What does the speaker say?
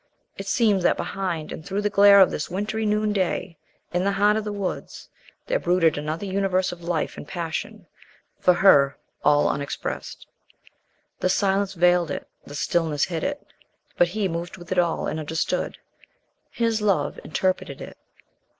It seemed that behind and through the glare of this wintry noonday in the heart of the woods there brooded another universe of life and passion, for her all unexpressed. The silence veiled it, the stillness hid it; but he moved with it all and understood. His love interpreted it.